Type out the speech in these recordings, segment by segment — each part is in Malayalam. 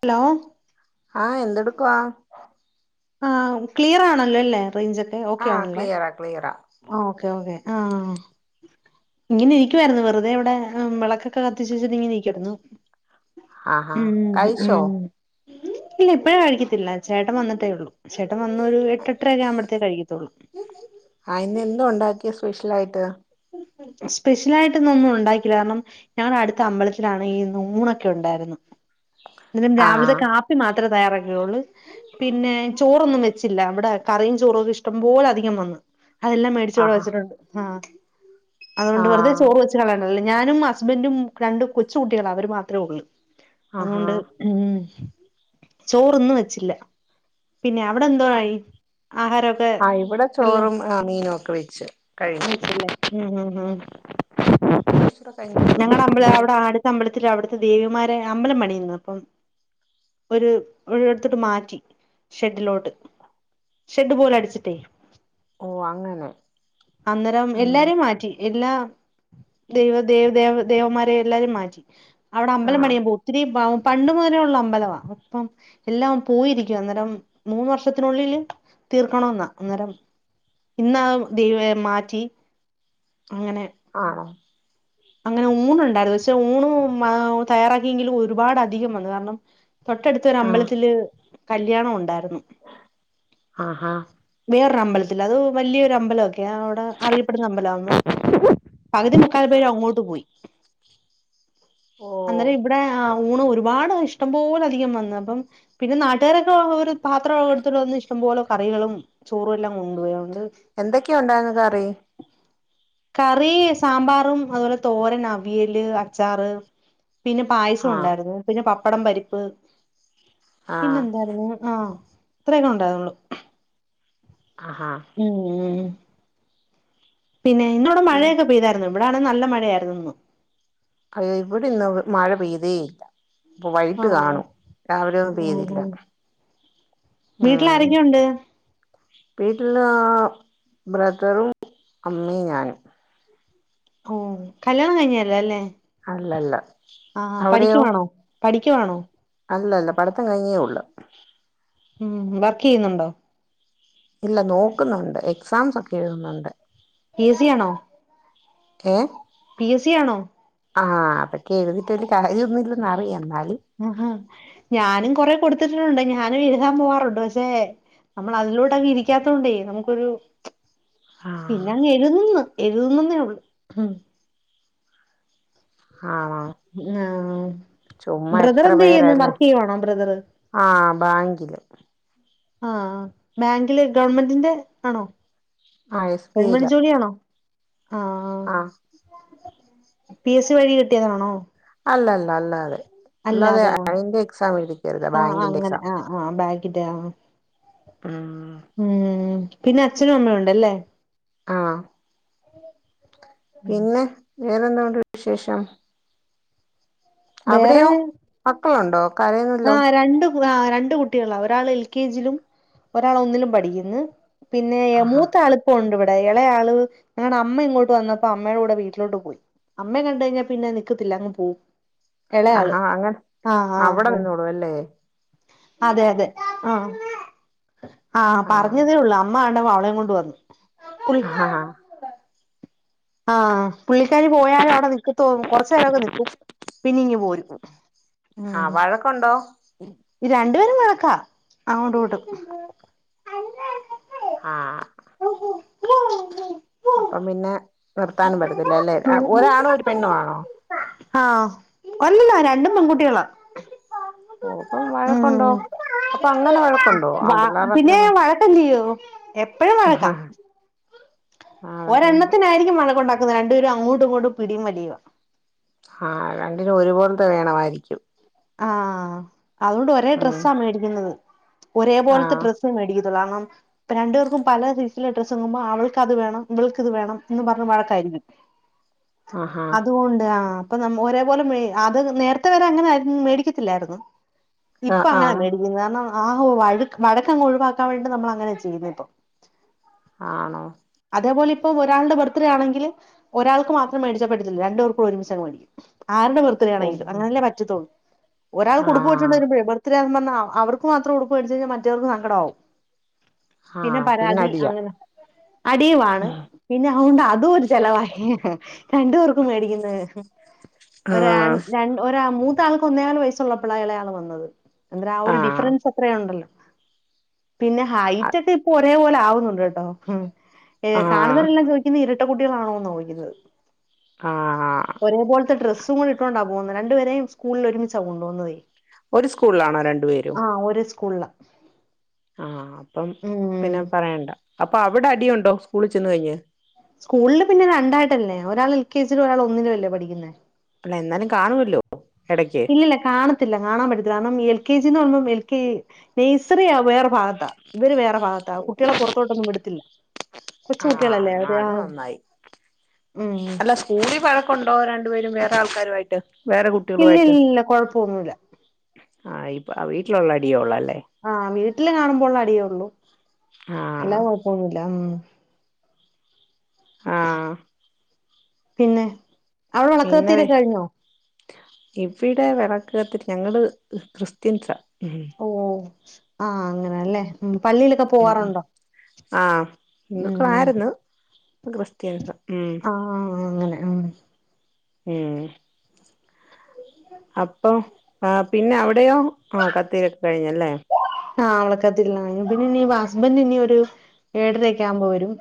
ഹലോ ആ എന്തെടുക്കവാ ആ ക്ലിയർ ആണല്ലോ അല്ലേ റേഞ്ച്ൊക്കെ ഓക്കെ ആഹ് ആണല്ലോ ക്ലിയറാ ക്ലിയറാ ഓക്കേ ഓകേ ആ ഇങ്ങനെ ഇരിക്കുായിരുന്നു വെറുതെ ഇവിടെ വിളക്കൊക്കെ കത്തിച്ചച്ചിട്ട് ഇങ്ങനെ ഇക്കായിരുന്നു ആഹാ ഉം കഴിച്ചോ ഉം ഇല്ല ഇപ്പഴേ കഴിക്കത്തില്ല ചേട്ടൻ വന്നട്ടേ ഉള്ളൂ ചേട്ട വന്ന ഒരു എട്ടര ആുമ്പത്ത കഴിക്കത്തോുള്ളൂ ആയിന്ന എന്തതു ഉണ്ടാക്കിയാ സ്പെഷ്യൽ ആയിട്ട് സ്പെഷ്യലായിട്ടൊന്ന ഒന്നും ഉണ്ടാക്കില്ല കാരണം ഞങ്ങളുടെ അടുത്ത അമ്പലത്തിലാണ് ഈ നൂണൊക്കെ ഉണ്ടായിരുന്നു എ ആഹാ രാവിലെ കാപ്പി മാത്രം ത്ര തയ്യാറാക്കിയള്ളൂ പിന്നെ ചോറൊന്നും വെച്ചില്ല അവിടെ കറും ചോറും ഒക്കെ ഇഷ്ടം പോോലെ അധികം വന്നു അതെല്ലാം മേടിച്ചുകൂടെ ആഹാ വെച്ചിട്ടുണ്ട് ആ അതുകൊണ്ട് വെറുതെ ചോറ് ആഹ് വെച്ച് കളയണ്ടല്ലേ ഞാനും ഹസ്ബൻഡറും രണ്ട് കൊച്ച കുുട്ടികള അവര് മാത്രേ ഉള്ളൂ ആഹാ അതുകൊണ്ട് ഉ ചോറൊന്നും വെച്ചില്ല പിന്നെ അവിടെ എന്തോ പറയി ആഹാരൊക്കെ ആഹ് ഇവിടെ എല്ലാ ചോറും ആഹ് മീനും ഒക്കെ വെച്ച് കഴിഞ്ഞു മച്ചല്ലേ ഉം ഉ ഉം കുറച്ചൂടെ കഴിഞ്ഞിട്ടേ ഞങ്ങളുടെ ഉള്ളൂ അമ്പ ഇന്ന് അവിടെ വെച്ച് ആടുത്തെ അമ്പലത്തിൽ അവിടുത്തെ ദേവിമാര അമ്പലം പണിന്ന് അപ്പം ഒരു ഒടുത്തിട്ട് മാറ്റി ഷെഡിലോട്ട് ഷെഡ് പോല അടിച്ചിട്ടേ ഓ അങ്ങനെ ഉം എല്ലാരെയും മാറ്റി എല്ലാ ദൈവവ ദേവ ൈവന്മാരെയ എല്ലാരെയും മാറ്റി അവിടെ അമ്പല ആഹ് മണിയാ പോോ ഒത്തിരി ഭാവം പണ്ടു മുതലേ ഉുള്ള അമ്പലമാണ് ഇപ്പം എല്ലാം പോയിരിക്കുവ അന്നേരം മൂന്ന് വർഷത്തിനുള്ളില് തീർക്കണെന്നാ അന്നേരം ഇന്ന ദൈവ മാറ്റി അങ്ങനെ ആണോ അങ്ങനെ ഊണുണ്ടായിരുന്നു പക്ഷെ ഊണ് തയ്യാറാക്കിയെങ്കിലും ഒരുപാട് അധികം വന്നു കാരണം തൊട്ടടുത്തൊ ഒരു ആഹ് അമ്പലത്തില് കല്യാണം ഉണ്ടായിരുന്നു ആഹാ വേറൊരു അമ്പലത്തി അത് വലിയൊ അമ്പലംൊക്കെ അവിടെ ഇ നമ്പല ഒും പകുതി മുക്കാൽ പേര് അങ്ങോട്ട് പോയി ഓഹ് അന്നേരം ഇവിടെ ഊണ് ഒരുപാട് ഇഷ്ടംപോലെ അധികം വന്നു അപ്പം പിന്നെ നാട്ടുകാരൊക്കെ ഒരു പാത്രംെടുട്ടന്ന് ഇഷ്ടംപോലെ കറികളും ചോറും എല്ലാം കൊണ്ടുപോയണ്ട് എന്തൊക്കെയാ ഉണ്ടായിന്ന് കറി കറി സാമ്പാറും അതുപോലെ തോരനവിയല് അച്ചാറ് പിന്നെ പായസം ആഹ് ഉണ്ടായിരുന്നു പിന്നെ പപ്പടം പരിപ്പ് ആഹ് പിന്നെന്തായിരുന്നു ആഹ ഇത്രയൊക്കെ ഉണ്ടായിരുന്നുള്ളു ആഹാ ഉം ഉ പിന്നെ ഇന്ന ഇവിടെ ഉം. മഴയൊക്കെ പെയ്തായിരുന്നു ഇവിടൊണ് നല്ല മഴയായിരുന്നു അ ഇവിടെ ഇന്ന് മഴ പെയ്തേയില്ല അപ്പൊ വൈകിട്ട് ആഹ് കാണു രാവിലെ ഒന്നും ഉം പെയ്തില്ല ഉം വീട്ടിൽ ഉം ആാരക്കെയും ഉണ്ട് വീട്ടില് ബ്രതറും അമ്മി ഞാനും ഓ കല്ല്യാണം കഴിഞ്ഞല്ലോ അല്ലേ അല്ലല്ല ആഹ് അവിടെയോ പഠിക്കുവാണോ പഠിക്കുവാണോ അല്ല അല്ല പഠത്തം കഴിഞ്ഞേ ഉള്ളു ഉം വർക്ക് ചെയ്യുന്നുണ്ടോ ഇല്ല നോക്കുന്നുണ്ട് എക്സാംസ് ഒക്കെ എഴുതുന്നുണ്ട് സിയ ആണോ ഏഹ് പി എസ് സി ആണോ ആഹ് അതൊക്കെ എഴുതിട്ടയ്ല് കാര്യ ഒന്നുല്ലെന്ന് അറിയാം ന്നാ ആ ഞാനും കൊറെ കൊടുത്തിട്ടുണ്ട് ഞാനും എഴുതാൻ പോവാറുണ്ട് പക്ഷെ നമ്മൾ അതിലൂടങ് ഇരിക്കാത്തോണ്ടേ നമുക്കൊരു പിന്നെ ആഹ് അങ്ങ് എഴുതുന്നു എഴുതുന്നുന്നേ ഉള്ളു ഉം ആണോ ആ ചുമ്മാ ബ്രദർ എത്ര എന്തെയ്യല് പേരല്ലേ വർക്ക് യ്യുവാണോ ബ്രദറ്? ആഹ് ബാങ്കില് ആ ബാങ്കില് ഗവൺമെന്റിന്റെ ആണോ ആ എസ് ബി ഐയില ആ ആഹ് പി എസ് സി വഴി കിട്ടിയതാണോ അല്ലല്ല അല്ലാ അതെ അല്ലാതെ അല്ലാതെയാ അയിന്റെ എക്സാം [unintelligible] ആഹ് ബാങ്കിന്റെ അങ്ങനെ എക്സാം ആഹ് ആഹ് ബാങ്കിന്റെ ആഹ് ഉം ഉം പിന്നെ അച്ഛനും അമ്മേം ഉണ്ടല്ലേ ആഹ് ഉ പിന്നെ വേറെന്തൊണ്ട് വിശേഷം വേറെ അവിടെയോ മക്കളുണ്ടോ കരയുന്നുണ്ടല്ലോ ആഹ് രണ്ട് രണ്ട് കുട്ടികളാ ഒരാൾ എൽ കെ ജിലും ഒരാൾ ഒന്നിലും പഠിക്ക്‌ന്ന് പിന്നെ എ ആഹാ മൂത്താളുപ്പൊണ്ടോ വ്ടെ എളേ ആള് ഞങ്ങടെ അമ്മ ഇങ്ങോട്ട് വന്നപ്പോ അമ്മയുടെ കൂടെ വീട്ടിലോട്ട് പോയി അമ്മെ കണ്ട് കഴിഞ്ഞാ പിന്നെ നിക്കത്തില്ല അങ്ങ് പോം എളേ ആള് ആ ആ പോവും പോവല്ലേ അതെ അതെ ആഹ് ആഹ് പറഞ്ഞതേ ഉള്ളൂ അ അമ്മാണ്ട് മകളേം കൊണ്ട് വന്ന് ആഹ് ആഹ് പുള്ളിക്കാരി പോയാലും അവിടെ നിക്കത്തും കൊർച്ചേരൊക്കെ നിക്കും പിന്നിങ്ങ് പോരും ആഹ് വഴക്കുണ്ടോ രണ്ട് പേരും കണക്കാ അങ്ങോട്ടും ഇങ്ങോട്ടും ആഹ് [inaudible] അപ്പം പിന്നെ നിർത്താനും പറ്റത്തില്ല അല്ലെ ഒരാണും ഒരു പെണ്ണുവാണോ ആഹ് അല്ലല്ലോ രണ്ടും പെൺകുട്ടികളാ ഓപ്പം ഉം വഴക്കുണ്ടോ അപ്പൊ അങ്ങനെ വഴക്കുണ്ടോ വ ആപിള്ളേർ അത്ര പിന്നെ വ വഴക്കല്ലയോ ഒരണ്ണത്തിനായിരിക്കും വഴക്കുണ്ടാക്കുന്നത് രണ്ട് പേരും അങ്ങോട്ടും ഇങ്ങോട്ടുംപിടിയും വലിയാ ഹാ രണ്ടിനും ഒര് പോലത്തെ വേണമായിരിക്കും ആഹ് അതുകൊണ്ട് ഒരേ ഉം ഡ്രസ്സാ മേടിക്കുന്നത് ഒരേപോലത്തെ ആഹ് ഡ്രസ്സ് മേടി പ്പം രണ്ട് പേർക്കും പല സൈസ് ള്ളഡ്രസ് വാങ്ങുമ്പോ അവൾക്ക് അത് വേണ്ണം ഇവൾക്ക് ഇത് വേണ്ണം എന്ന് പറഞ്ഞ് വഴക്കായി ഉം ആഹാ അതുകൊണ്ട് ആഹ് അപ്പൊ ഒരേപോലെ അത് നേരത്തെ വരെ അങ്ങനെ മേടിക്കത്തില്ലാര്ന്നു ഇപ്പ ആഹ് ആഹ് അങ്ങനല്ല [unintelligible] ആഹ് ഹോ വഴ വടക്കങ്ങ് ഒഴിവാക്കാൻ വേണ്ടിട്ട് നമ്മൾ അങ്ങനെ ചെയ്യുന്നെ പ്പൊ ആണോ അതേപോലെ ഇപ്പം ഒരാളുടെ ബർത്ത്ഡേ ആണെങ്കിൽ ഒരാൾക്ക് മാത്രം മേടിച്ചാ പറ്റത്തില്ല രണ്ടുപർക്കും ഒരുമിച്ചങ്ങ് മേടിക്കും ആരുടെ ബർത്ത്ഡെ ഓ ആണെങ്കിലും അങ്ങനല്ലേ പറ്റത്തുള്ളൂ ഒരാൾക്കുടുപ്പ് ആഹ് മേടിച്ചോണ്ട് വരുമ്പോയെ ബർത്ത് ഡേ [unintelligible] അവർക്ക് മാത്രം ഉടുപ്പ് മേടിച്ചു കഴിഞ്ഞാ മറ്റേവർക്ക് സങ്കടാവും പിന്നെ ആഹ് പരാതി പിന്നടിയാ അങ്ങനെ അടിയുമാണ് പിന്നെ അതൊണ്ട് അതും ഒരു ചെലവായി രണ്ടു പേർക്കും മേടിക്കേണ്ടി ആഹ് [unintelligible] ഒന്നേകാല് വയസ്സുള്ള [unintelligible] ആ ഒരു ആഹ് ഡിഫറൻസ് അത്രയ ഉണ്ടല്ലോ പിന്നെ ഹൈറ്റൊക്കെ ഇപ്പൊ ഒരേ പോലെ ആവുന്നുണ്ട് കേട്ടോ ആഹ് കാണുന്നവരെല്ലാം ചോദിക്കുന്ന ഇരട്ട റ്റ കുട്ടികളാണോന്ന ച്ചോദിക്കുന്നത് ആ [unintelligible] കൊണ്ട് ഇട്ടോണ്ടാ പോകുന്നത് രണ്ടപേരും സ്കൂളിൽ ഒരുമിചാ കൊണ്ട് പോകുന്നതേ ഒരു സ്കൂള്ലാണോ രണ്ടു പേരും കുള്ള ആ അപ്പം പിന്നെ പറയണ്ട അപ്പ അവിടെ അടിയുണ്ടോ സ്കൂളിൽ ചെന്ന് കഴിഞ്ഞ് സ്കൂളില് പിന്നെ രണ്ടായിട്ടല്ലേ ഒരാൾ എൽ കെ ജിലും ഒരാൾ ഒന്നിലുംല്ലേ പഠിക്കുന്നേ അല്ല എന്നാലും കാണുവല്ലോ ഇല്ലില്ല കാണത്തില്ല കാണാൻ പറ്റത്തില്ല എൽ കെ ജിന്ന് വന്നു എൽ കെ നെയ്സറിയാ വേറെ ഭാ ഇവര് വേറെ ഭാഗത്താ കുട്ടികളെ പുറത്തോട്ടൊന്നും വിടത്തില്ല കൊച്ച് ആഹ് കുട്ടികളല്ലേ എന്നാ അത ആ അത് നന്നായി അല്ല സ്കൂളിൽ വഴക്കുണ്ടോ രണ്ടുപേരും വേറെ ആൾക്കാരുവായിട്ട് വേറെ കുട്ടികളുമായിട്ടോ തോന്നൂല ആ ഇ വീട്ടിലുള്ള അടിയേ ഒള്ള ല്ലേ ആ വീട്ടില് കാണുമ്പോ ള്ള അടിയേള്ളൂ അല്ലാ ആഹ് കൊഴപ്പൊന്നുല്ല ഉ ആ പിന്നെ അവിടെ വേളക്ക് പിന്നെ കത്തീരൊക്കെ കഴിഞ്ഞോ ഇവിടെ വിളക്ക്ത്തി ഞങ്ങള് ക്രിസ്ത്യൻസാ ഉം ഓ ആ അങ്ങനെല്ലേ പള്ളിയിലൊക്കെ പോവാറുണ്ടോ ആഹ് ഉ ഹിന്ദുക്കളായിരുന്നു ക്രിസ്ത്യൻസാ ഉം ആ അങ്ങനെ ഉ [unintelligible] അപ്പൊ ആ പിന്നെ അവിടെയോ ആ കത്തിരൊക്കെ കഴിഞ്ഞല്ലേ ആ വെളക്കാത്തിക്കൽകഴിഞ്ഞു പിന്നെ ഹസ്ബൻഡ ഇനി ഒരു ഏഴരക്കെ ആവുമ്പോ വരും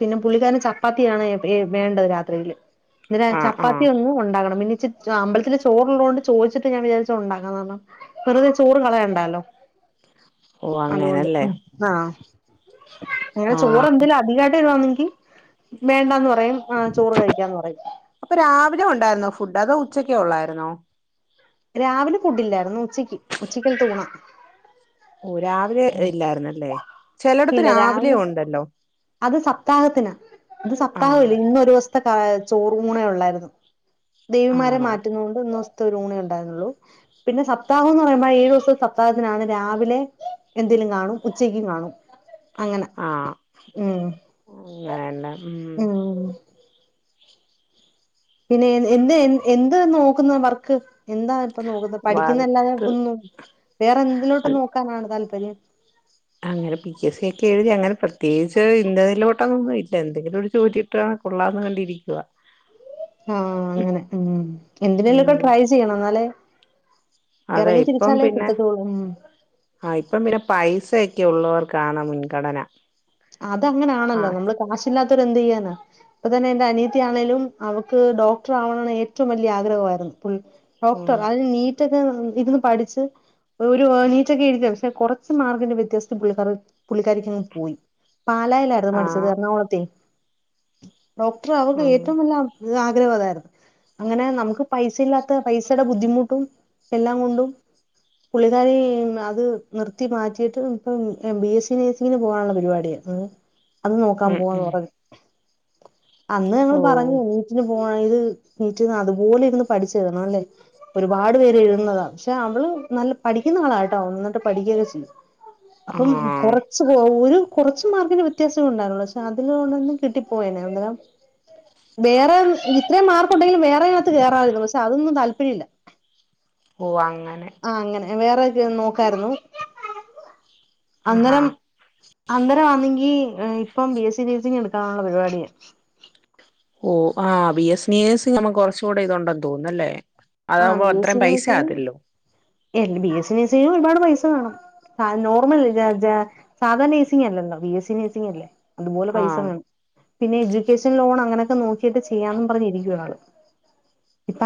പിന്നെ പുള്ളിക്കാരൻ ചപ്പാത്തിയാണ് വേണ്ടത് രാത്രിയില് ഇന്നലേ ആഹ് ചപ്പാത്തി ആഹ് എന്നും ഉണ്ടാകണം പിന്നെ അ അമ്പലത്തില് ചോറുള്ളൊണ്ട് ചോദിച്ചിട്ട് ഞാൻ വിചാരിച്ചുണ്ടാക്കാന്ന് വെറുതെ ചോറ് കളയണ്ടാല്ലോ ഓ അങ്ങനല്ലേ ആഹ് അങ്ങനെ ആഹ് ചോറ് എന്തലും അധികായിട്ട് വരുവാണങ്കി വേണ്ടാന്ന് പറയും ആ ചോറ് കഴിക്കാന്ന് പറയും അപ്പൊ രാവിലെ ഉണ്ടായിരുന്നോ ഫുഡ് അതോ ഉച്ചക്കെ ഒള്ളായിരുന്നോ രാവിലെ ഫുഡില്ലായിരുന്നു ഉച്ചക്ക് ഉച്ചക്കൽ തൂണ ഓ രാവിലെ ഇല്ലാർന്നല്ലേ ചെലട്ത്ത് ഇല്ല രാവിലെയ രാവിലെ ഉണ്ടല്ലോ അത് സപ്തഹത്തിനാ ഇത് സപ്തഹം ആഹ് ഇല്ല ഇന്ന് ഒരു ദിവസത്തെ ചോറ് ഊണെള്ളായിരുന്നു ദേവിമാരെ ആണോ മാറ്റുന്നൊണ്ട് ഇന്നിവ [unintelligible] ത്തെ ഒരു ഊണയ ഉ പിന്നെ സപ്താഹം ന്ന് പറയുമ്പോ ഏഴു ദിവസം സപ്താഹത്തിനാണ് രാവിലെ എന്തെലും കാണും ഉച്ചക്കും കാണും അങ്ങനെ ആ ഉം അങ്ങനെന്നെ ഉം പിന്നെ എന്ത് എന്ത് നോക്കുന്നു വർക്ക് എന്താ ഇപ്പ നോക്കുന്നെ. പഠിക്കുന്ന ല്ലാതെ വറുത്ത് ഒന്നും വേറെ എന്തിലോട്ട് അൽ നോക്കാനാണ് താല്പര്യം [unintelligible] അങ്ങനെ പി എസ് സി ഒക്കെ എഴുതി അങ്ങനെ പ്രത്യേകിച്ച് ഇന്നെതിലോട്ടന്നൊന്നും ഇല്ല എന്തെങ്കിലും ഒരുജോലിട്ട കൊള്ളാന്ന് കണ്ടിരിക്കുവ ആ.. അങ്ങനെ എന്തിനേലുമൊക്കെ, ട്രൈ ചെയ്യണം എന്നാലേ എറങ്ങി അതെയിപ്പം തിരിച്ചാലേ പിന്നെ കിട്ടത്തുള്ളൂ ഉം ആ.. ഇപ്പം പിന്നെ പൈസയൊക്കെയുള്ളവർക്ക് കാണ മുൻഗണന അതങ്ങനാണല്ലോ ആഹ് നമ്മളുകാശില്ലാത്തോ രെന്തെയ്യാന, ഇപ്പ തന്നെയെന്റെ അനിയത്തിയാണേലും അവക്ക് ഡോക്ടറാകണമെന്ന് ഏറ്റവും വലിയ ആഗ്രഹമായിരുന്നു ഉം ഡോക്ടർ അതിനു നീ നീറ്റൊക്കെയിരുന്ന് പഠിച്ച് ഒരു, നീറ്റൊക്കെയെഴുതിയതാ, പക്ഷേ കൊറച്ച് മാർക്കിന്റെവ്യത്യാസം പുള്ളിക്കാരിക്ക് പുള്ളിക്കാരിക്കങ്ങ് പോയി. പാലായിലായിരുന്നു പഠിച്ചത്. ആഹ് എറണാകുളത്തെ, ഡോക്ടറ അവൾക്ക് ഉം ഏറ്റവുംവലിയആ ഇതാഗ്രഹം അതായിരുന്നു അങ്ങനെ നമുക്കുപൈസായില്ലാത്ത, പൈസയുടെ ബുദ്ധിമുട്ടും, എല്ലാം കൊണ്ടും, പുള്ളിക്കാരിയതുനിർത്തി മാറ്റിയിട്ട് ഇപ്പംബി. എസ്. സി നേസിംങ്ങിന് പോകാനുള്ള പരിപാടി അതുനോക്കാൻ ഉം പോവാന്ന് ഉം പറഞ്ഞു. ഓഹ് അന്നുഞങ്ങളുപറഞ്ഞു, നീറ്റിന് പോ പോണെങ്കിൽ, നീറ്റിനതുപോലെയിരുന്ന് പഠിച്ചെഴുതണവല്ലേ. ഒരുപാട് പേര് എഴുതുന്നതാ, പക്ഷേ യവള് നല്ലപഠിക്കുന്ന ആളാകേട്ടോ, നന്നാ യിട്ടുപഠിക്കുകയൊക്കെ ചെയ്യും. അപ്പം ആഹ് കൊറച്ച് പോ.. ഒരു.. കൊറച്ചുമാർക്കിന് വ്യത്യാസം ഉണ്ടായിരുന്നുള്ളൂ. പക്ഷേ അതിലൂടൊന്ന് കിട്ടിപ്പോയേനെ അന്നേരം വേറെ ഇത്രയും മാർക്കുണ്ടെങ്കിലും വേറേനകത്ത് കേറാമായിരുന്നു, പക്ഷേ അതൊന്നും താല്പര്യമില്ല ഓ, അങ്ങനെ വേറെയൊക്കെയൊന്ന് നോക്കായിരുന്നു ആഹ്.. ഹ അന്നേരമാണെങ്കി ഇപ്പം, ബി. എസ്. സി നേഴ്സിംങ്ങെടുക്കാനുള്ള പരിപാടിയാ ഓ, ആ... ആ ബി. എസ്. സി നമ്മ് കൊറച്ചൂടെയിതൊണ്ടെന്നുതോന്നുന്നല്ലേ ആ അതാകുമ്പോളത്രയും പൈസയാകത്തില്ലല്ലോ. ഏ.. ബി. എസ്. സി നേഴ്സിംഗിനുമൊരുപാട് പൈസവേണം. അ.. നോർമൽ സാധാ നഴ്സിംഗല്ലല്ലോ. ബി. എസ്. സി നഴ്സിംഗ ല്ലേ അതുപോലെ പൈസ ആഹ് വേണം പിന്നെ എഡ്യൂക്കേഷൻ ലോൺ അങ്ങനെയൊക്കെ നോക്കിയക്കെചെയ്യാന്നുപറഞ്ഞിരിക്കുവയാള്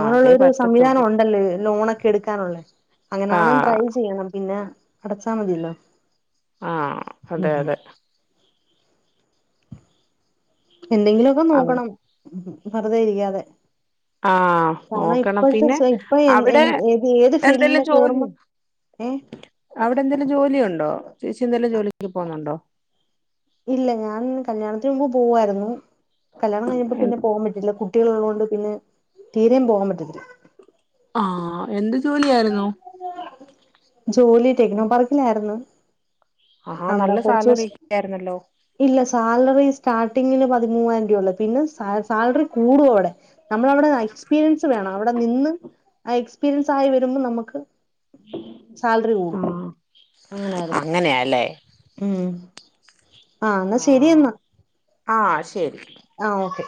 ആഅതെപറ്റ് സംവിധാനമുണ്ടല്ലേ, ലോണെക്കെ എടുക്കാനുള്ളേ അങ്ങനാണം ആഹ് ട്രൈ ചെയ്യണം. പിന്നെ, അടച്ചാമതിയല്ലോ ആ.. അതെയതെ എന്തെങ്കിലുമൊക്കെ അങ്ങ് നോക്കണം. വെറുതെയിരിക്കാതെ. ആഹ് കാരണം നോക്കണം ഇപ്പളത്തെ, പിന്നെ ഇപ്പ ഏ.. അവിടെ ഏത് എന്തെലും ജോലി ഏതുഫീൽഡിലുംകേറുമ്പം അവിടെ എന്തെലും ജോലിയുണ്ടോ ചേച്ചി എന്തെലും ജോലിക്ക് പോകുന്നുണ്ടോ ഇല്ല ഞാൻ കല്യാണത്തിന് മുമ്പ് പോവായിരുന്നു കല്യാണം കഴിഞ്ഞപ്പോ പിന്നെ പോകാൻ പറ്റില്ല കുട്ടികളുള്ളത് കൊണ്ട് പിന്നെ തീരെയും പോകാൻ പറ്റത്തില്ല ആഹ് എന്ത് ജോലിയായിരുന്നു ജോലി ടെക്നോ പാർക്കിലായിരുന്നു ആഹാ അവിടെ നല്ല കുറച്ച് സാലറി ദിവസം ഒക്കെ ആയിരുന്നല്ലോ ഇല്ല സാലറി സ്റ്റാർട്ടിങ്ങില് പതിമൂവായിരം രൂപ ഉള്ളൂ പിന്നെ സാലറി കൂടും അവിടെ നമ്മളവിടെ എക്സ്പീരിയൻസ് വേണം അവിടെ നിന്ന് ആ എക്സ്പീരിയൻസ് ആയി വരുമ്പോ നമുക്ക് സാലറി കൂടും ആഹ് അങ്ങനായിരുന്നു അങ്ങനെയാല്ലേ ഉം ആ എന്നാ ശരി ആഹ് എന്നാ ആഹ് ശരി ആ ഓക്കെ